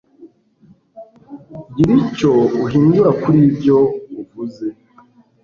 gira icyo uhindura kuri ibyo uvuze